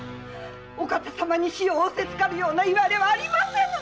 お方様に死を仰せつかるいわれはありませぬ！